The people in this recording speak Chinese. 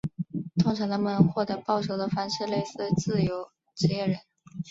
通常他们获得报酬的方式类似自由职业人。